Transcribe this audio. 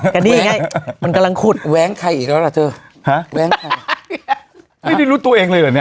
แต่นี่ไงมันกำลังขุดแว้งใครอีกแล้วล่ะเธอฮะแว้งใครไม่ได้รู้ตัวเองเลยเหรอเนี้ย